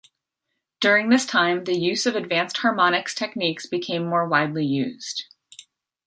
During this time the use of advanced harmonics techniques became more widely used.